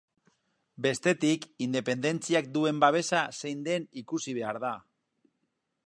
Bestetik, independentziak duen babesa zein den ikusi behar da.